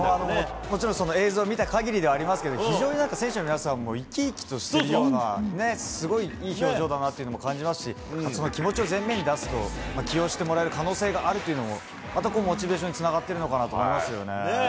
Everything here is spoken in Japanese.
もちろん映像を見た限りではありますけど非常に選手の皆さんも生き生きとしているようなすごい、いい表情だなというのも感じますしすごい気持ちを前面に出すと起用してもらえる可能性があるのもまたモチベーションにつながってるのかなと思いますね。